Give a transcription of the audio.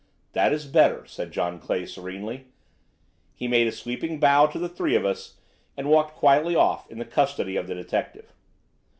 "That is better," said John Clay serenely. He made a sweeping bow to the three of us and walked quietly off in the custody of the detective.